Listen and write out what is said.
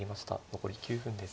残り９分です。